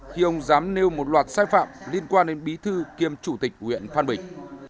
khi ông dám nêu một loạt sai phạm liên quan đến bí thư kiêm chủ tịch nguyện phan bình